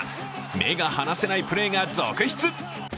目が離せないプレーが続出。